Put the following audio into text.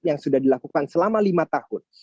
yang sudah dilakukan selama lima tahun